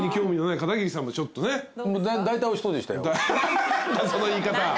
何だその言い方。